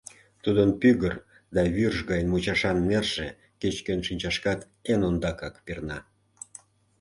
Тудын пӱгыр да вӱрж гай мучашан нерже кеч-кӧн шинчашкат эн ондакак перна.